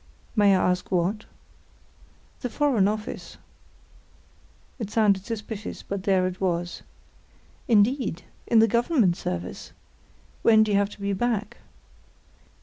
"May I ask what?" "The Foreign Office." It sounded suspicious, but there it was. "Indeed—in the Government service? When do you have to be back?"